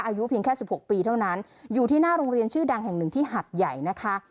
อายุเพียงแค่๑๖ปีเท่านั้นอยู่ที่หน้าโรงเรียนชื่อดังแห่งหนึ่งที่หัดใหญ่นะคะ